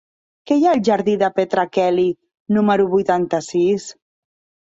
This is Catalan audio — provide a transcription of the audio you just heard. Què hi ha al jardí de Petra Kelly número vuitanta-sis?